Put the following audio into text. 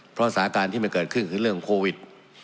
เพราะสาการที่มันเกิดขึ้นคือเรื่องโควิด